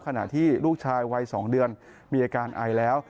ขณะที่ลูกชายวัย๒เดือนมีอาการไอแล้ว